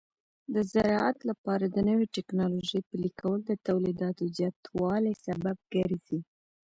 د زراعت لپاره د نوې ټکنالوژۍ پلي کول د تولیداتو زیاتوالي سبب ګرځي.